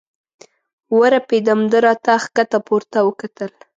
ورپېدم، ده را ته ښکته پورته وکتل.